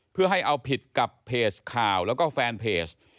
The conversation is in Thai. เพื่อให้เอาผิดกับเพจข่าวแล้วก็แฟนเพจ